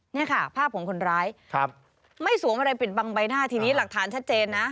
นี่ค่ะภาพของคนร้ายไม่สวมอะไรปิดบังใบหน้าทีนี้หลักฐานชัดเจนนะ